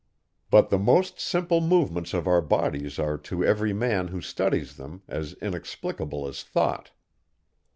But the most simple movements of our bodies are to every man, who studies them, as inexplicable as thought.